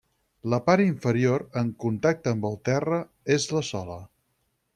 La part inferior, en contacte amb el terra, és la sola.